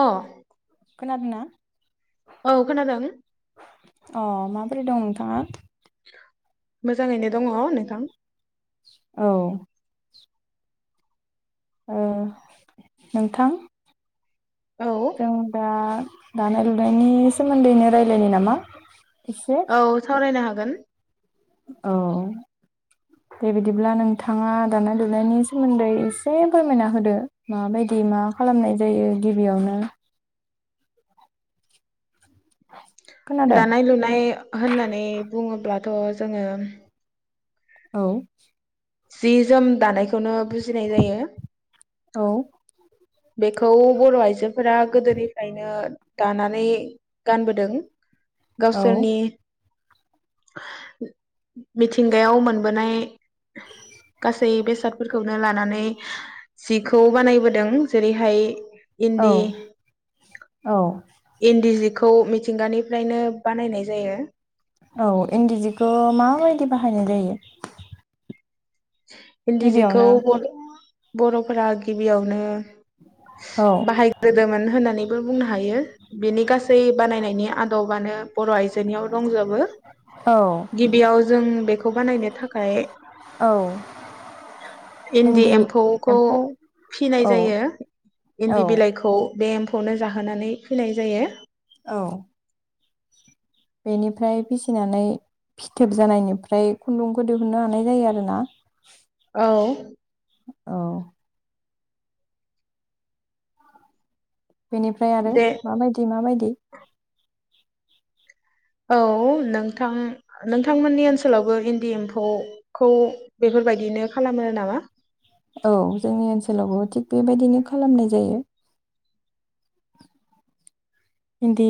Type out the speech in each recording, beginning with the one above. अ खोनादोंना? औ खोनादों। अ माबोरै दं नोंथाङा? मोजाङैनो दङ नोंथां। औ। ओ नोंथां औ जों दा दानाय लुनायनि सो सोमोन्दैनो रायलायनि नामा? एसे औ सावरायनो हा गोन औ बेबायदिब्ला नोंथाङा दानाय-लुनायनि सोमोन्दै एसे फोरमायना होदो माबायदि मा खालामनाय जायो गिबियावनो खोनादों दानाय-लुनाय होननानै बुङोब्लाथ' जोङो। औ जि जोम दानाय खौनो बुजिनाय जायो। औ बेखौ बर' आइजोफोरा गोदोनिफ्रायनो दानानै गानबोदों। औ गावसोरनि मिथिंगायाव मोनबोनाय गासै बेसाद फोरखौनो लानानै जिखौ बानायबोदों। जेरैहाय औ इन्दि औ इन्दि जि खौ मिथिंगानिफ्रायनो बानायनाय जायो। औ इन्दि जिखौ माबायदि बाहायनाय जायो? इन्दिजखौ गिबियावनो [unintelligible] बर'फोरा गिबियावनो औ बाहायग्रोदोंमोन होननानै बो बुंनो हायो। बिनि गासै बानायनायनि आदबानो बर' आइजोनियाव दंजोबो औ गिबियाव जों बेखौ बानायनो थाखाय औ इन्दि एम्फौ खौ एम्फौ फिनाय औ जायो औ इन्दि बिलाइखौ बे एम्फ खौनो जाहोनानै फैनाय जायो। औ बेनिफ्राय फिसिनानै फिथोब जानायनिफ्राय खुन्दुंखौ दुरुननो हानाय जायो आरो ना। औ औ बेनिफ्राय आरो दे माबायदि माबायदि? औ नोंथां नोंथांमोननि ओनसोलावबो इन्दि एम्फौ खौ बेफोरबायदिनो खालामो नामा? औ जोंनि ओनसोलावबो थिग बेबायदिनो खालामनाय जायो। इन्दि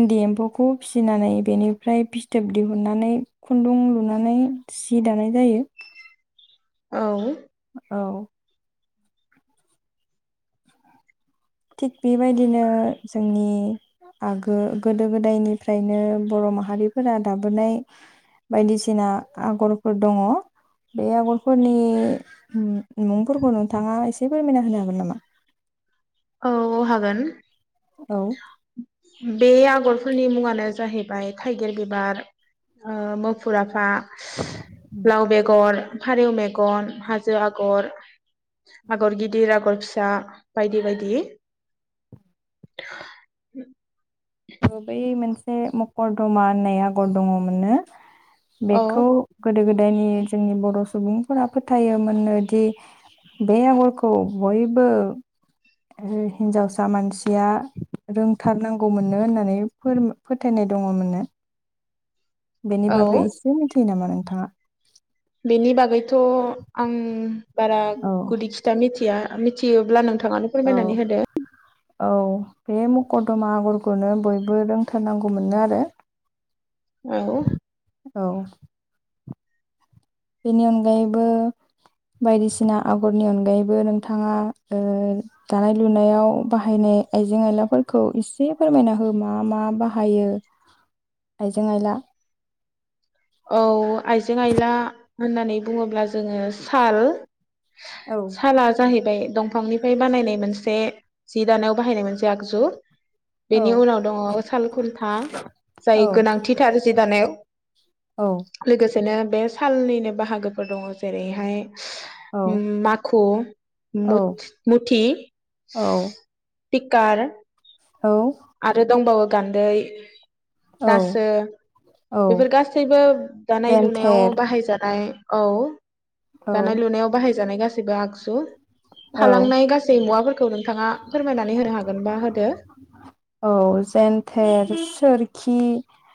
इन्दि एम्फौखौ फिसिनानै बेनिफ्राय फिथोब दिहुननानै खुन्दुं लुनानै सि दानाय जायो। औ औ थिग बेबायदिनो जोंनि आगो गोदो गोदायनिफ्रायनो बर' माहारिफोरा दाबोनाय बायदिसिना आगरफोर दङ बे आगरफोरनि उम मुंफोरखौ नोंथाङा एसे फोरमायना होनो हागोन नामा? औ औ हागोन औ बे आगरफोरनि मुङानो जाहैबाय थाइगिर बिबार ओ मोफुर आफा लाव बेगर फारौ मेगन हाजो आगर आगर गिदिर आगर फिसा बायदि बायदि दि [unintelligible] बै मोनसे मकरदमा होननाय आगर दङमोनना औ बेखौ गोदो गोद दायनि जोंनि बर' सुबुंफोरा फोथायोमोननो दि बे आगरखौ बयबो हिन्जावसा मानसिया रोंथारनांगौमोन नो होननानै फोथायनाय दङ मोननो। बेनि औ बागै इसे मिथियो नामा? नोंथाङा? बेनि बागैथ' आं बारा औ गुदि खिथा मिथिया। मिथियोब्ला नों थाङानो औ फोरमायनानै होदो। औ बे मकरदमा आगरखौनो बयबो रोंथारनांगौ मोनो आरो। औ। औ। बेनि अनगायैबो बायदिसिना आग'रनि अनगायैबो नोंथाङा ओ दानाय-लुनायाव बाहायनाय आइजें आइलाफोरखौ एसे फोरमायना हो मा मा बाहायो आइजें-आइला औ आइजें-आइला होननानै बुङोब्ला जोङो साल औ साला जाहैबाय दं फांनिफ्राय बानायनाय मोनसे जि दानायाव बाहायनाय मोनसे आगजु। औ बेनि उनाव दङ साल खुन्था जाय औ गोनांथि थार जि दानायाव। औ। सेनो बे सालनिनो बाहागोफोर दङ जेरैहाय औ माखु मुथ मुथि औ पिकार औ आरो दंबावो गान्दै औ रासो औ बेफोर गासैबो दानाय-लुनायाव जेन्थेर बाहायजानाय औ। औ दानाय-लुनायाव बाहायजानाय गास सिबा आगजु औ थालांनाय गासै मुवाफोरखौ नोंथाङा फोरमायनानै होनो हागोनबा होदो। औ जेनथेर सो रिखि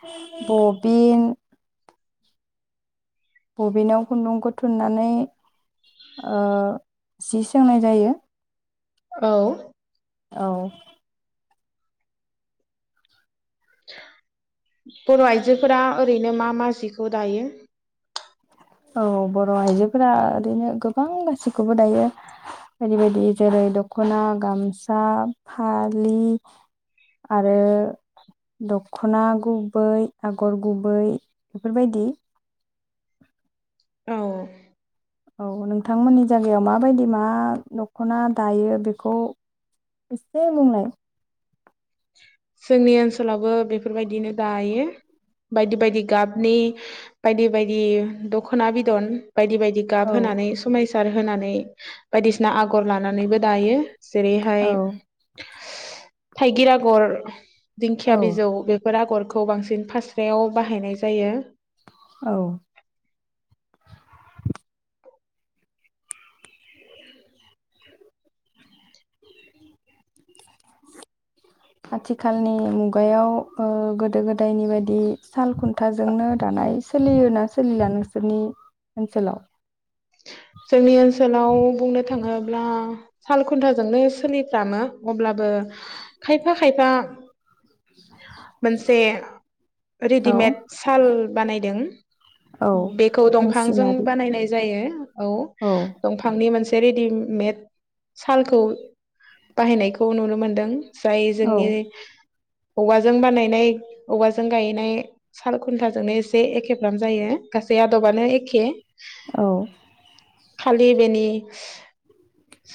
[inaudible] बबिन बबिनाव खुन्दुंखौ थुननानै ओ जि सोंनाय जायो। औ। औ। बर' आइजोफोरा ओरैनो मा मा जिखौ दायो? औ बर' आइजोफोरा ओरैनो गोबां गासैखौबो दायो बायदि बायदि जेरै दख'ना, गामसा, फालि आरो दख'ना गुबै आगर गुबै बेफोरबायदि। औ। औ नोंथांमोननि जायगायाव माबायदि मा नख'ना दायो बेखौ एसे बुंलाय। जोंनि ओनसोलावबो बेफोरबायदिनो दायो बायदि बायदि गाबनि बायदि बायदि दख'ना बिदन बायदि बायदि गाब औ होनानै समायस होर होनानै बायदिसिना आगर लानानैबो दायो । जेरै हाय औ [unintelligible] थाइगिर आग गर दिंखिया औ बिजौ बेफोर आगर। खौ बांसिन फास्रायाव बाहायनाय जायो । औ। आथिखालनि मुगायाव ओ गोदो-गोदायनि बायदि साल खुन्थाजोंनो दानाय सोलियोना सोलिला नोंसोरनि ओनसोलाव? जोंनि ओनसोलाव बुंनो थाङोब्ला साल खुन्थाजोंनो सोलिफ्रामो अब्लाबो खायफा खायफा मोनसे औ रेदिमेद साल बानायदों औ बेखौ दंफांजों मेसिनारि बानायनाय जायो । औ दंफांनि मोनस बे रेडिमेड सालखौ बाहायनायखौ नुनो मोनदों । जायो औ जोंनिनो औवाजों बानायनाय औवाजों गायनाय साल खुन्थाजोंनो एसे एखेफ्राम जायो गासै आदबानो एखे औ खालि बेनि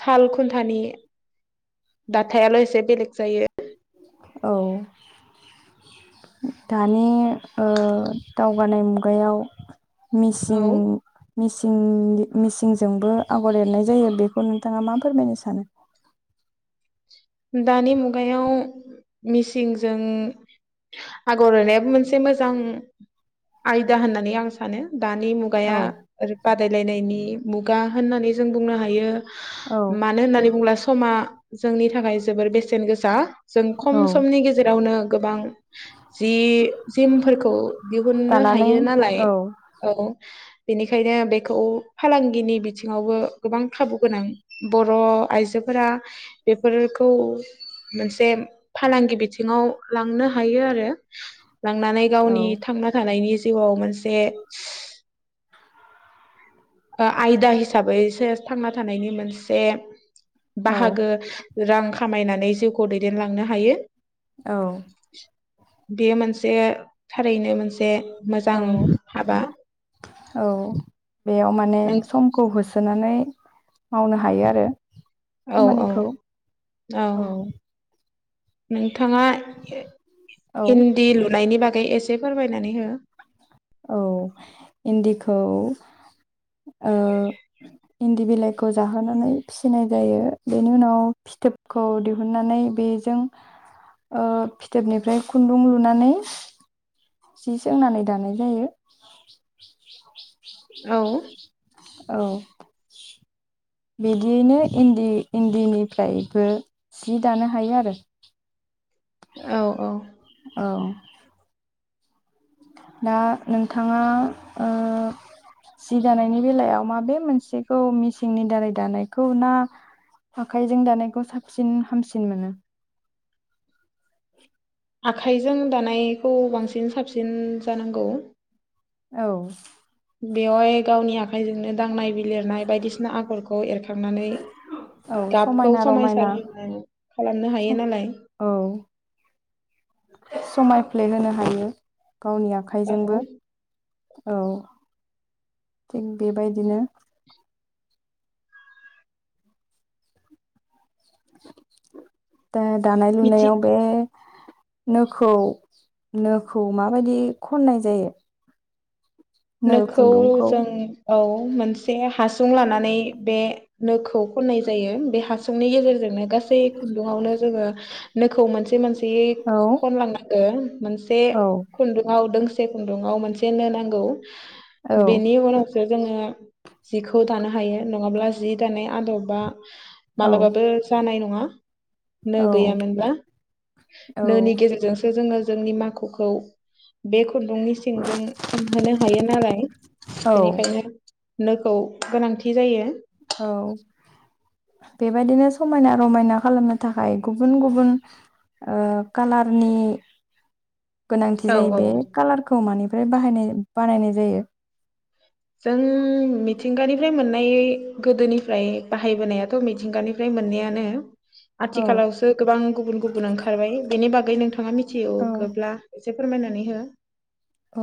साल खुन्थानि दाथायाल' एसे बेलेग जायो । औ दानि ओ दावगानाय मुगायाव मिसिं औ मिसिं मिसिंजोंबो आगर एरनाय जायो बेखौ नोंथाङा मा फोरमायनो सानो । दानि मुगायाव मिसिंजों आगर एरनायाबो मोनसे मोजां आयदा होननानै आं सानो । दानि मुगाया औ ओरै बाद बादायलायनायनि मुगा होननानै जों बुंनो हायो औ । मानो होननानै बुंब्लास समा जोंनि थाखाय जोबोर बेसेन गोसा जों औ खम समनि गेजेरावनो गोबां जि जिमफोरखौ दिहुननो दानानै हायो नालाय औ औ बेनिखायनो बेखौ फालांगिनि बिथिङावबो गोबां खाबु गोनां बर' आइजोफोरा बेफोर खौ मोनसे फालांगि बिथिङाव लांनो हायो आरो लांनानै औ गावनि थांना थानायनि जिउआव मोनसे आयदा हिसाबैसो थांना थानायनि मोनसे बाहागो रां खामायनानै जिउखौ दैदेनलांनो हायो औ बेयो मोनसे थारैनो मोनसे मोजां औ हाबा औ बेयाव माने नों समखौ होसो सोनानै मावनो हायो आरो औ औ औ [unintelligible] खामानिखौ औ थाङा ए औ इन्दि लुनायनि बागै एस दे फोरमायनानै हो। औ इन्दिखौ ओ इन्दि बिलाइखौ जाहोनानै फिसिनाय जायो बेनि उनाव फिथोबखौ दिहुननानै बेजों ओ फिथोबनिफ्राय खुन्दुं लुनानै जि सोंनानै दानाय जायो। औ औ [inaudible] बिदियैनो इन्दि इन्दिनिफ्रायबो सि दानो हायो आरो औ औ औ दा नोंथाङा ओ जि दानायनि बेलायाव माबे मोनसेखौ मेसिंननि दारै दानायखौ ना आखाइजों दानायखौ साबसिन हामसिन मोनो। आखाइजों दानायखौ बांसिन साबसिन जानांगौ। औ बेवहाय गावनि आखाइजोंनो दांनाय बिलिरनाय बायदिसिना आगरखौ एरखांनानै औ गाबखौ समायना रमायना समायसार होनो खालामनो हायो नालाय। औ समायफ्लेहोनो हायो। गावनि औ आखाइजोंबो औ थिग बेबायदिनो [inaudible] दा दानाय मिथि लुनायाव बे नोखौ नोखौ माबायदि खननाय जायो? नो नोखौ खुन्दुंखौ जों औ मोनसे हासुं लानानै बे नोखौ खननाय जायो बे हासुंनि गेजेरजोंनो गासै खुन्दुंआवनो जोङो नोखौ मोनसे मोनसे औ बिदि खनलांनांगोन मोनसे औ खुन्दुंआव दोंस से खुन्दुंआव मोनसे नो नांगौ। [inaudible] औ बेनि उनावस जो जोङो जिखौ दानो हायो नङाब्ला जि दानाय आदबा औ मालाबाबो जानाय नङा। [inaudible] नो औ गैयामोनबा औ नोनि गेजेरजोंसो जोङो जोंनि माखुखौ बेख खुन्दुंनि सिंजों फानहोनो हायो नालाय औ बेनिखायनो नोखौ गोनांथि जायो। औ बेबायदिनो समायना रमायना खालामनो थाखाय गुबुन गुबुन ओ कालारनि गोनांथि औ जायो औ बे कालारखौ मानिफ्राय बाहायनाय बानायनाय जायो। जों मिथिंगानिफ्राय मोननाय गोदोनिफ्राय बाहायबोनायाथ' मिथिंगानिफ्राय मोननायानो। औ आथिखालावसो गोबां गुबुन गुबुन ओंखारबाय बेनि बागै नोंथाङा मिथियोगोब्ला? एसे फोरमायनानै हो। औ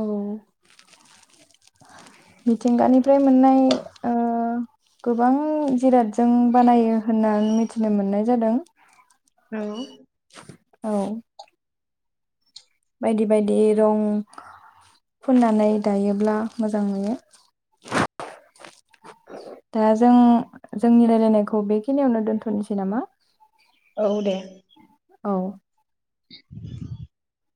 मिथिंगानिफ्राय मोननाय ओ गोबां जिरादजों बानायो होनना मिथिनो मोननाय जादों। औ औ बायदि बायदि रं फुननानै दायोब्ला मोजां नुयो। दा जों जोंनि रायलायनायखौ बेखिनियावनो दोन्थ'नोसै नामा? औ दे। औ [unintelligible]